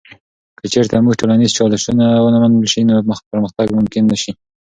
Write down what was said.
که چیرته موږ ټولنیز چالشونه ونه موندل سي، نو پرمختګ ممکن نه سي.